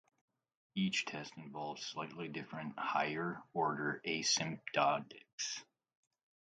Each test involves slightly different higher order asymptotics.